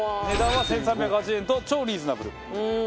値段は１３８０円と超リーズナブル。